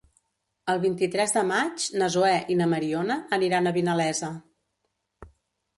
El vint-i-tres de maig na Zoè i na Mariona aniran a Vinalesa.